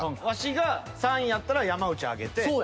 ワシが３位やったら山内上げて。